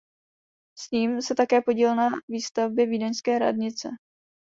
S ním se také podílel na výstavbě vídeňské radnice.